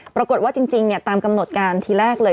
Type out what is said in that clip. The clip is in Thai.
ปรากฏว่าจริงตามกำหนดการทีแรกเลย